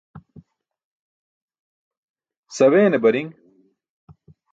Saweene bariṅ